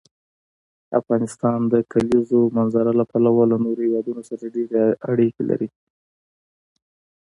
افغانستان د کلیزو منظره له پلوه له نورو هېوادونو سره ډېرې اړیکې لري.